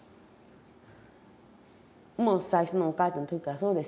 もう最初のお母ちゃんの時からそうですやん。